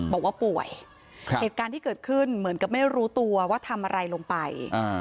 บอกว่าป่วยเหตุการณ์ที่เกิดขึ้นเหมือนกับไม่รู้ตัวว่าทำอะไรลงไป